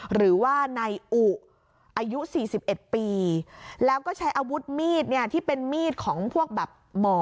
หรือว่านายอุอายุ๔๑ปีแล้วก็ใช้อาวุธมีดเนี่ยที่เป็นมีดของพวกแบบหมอ